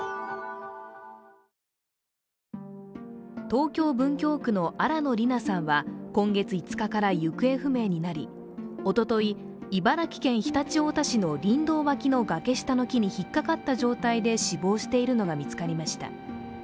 東京・文京区の新野りなさんは今月５日から行方不明になり、おととい、茨城県常陸太田市の林道脇の崖下の木に引っかかった状態で死亡しているのが見つかりました。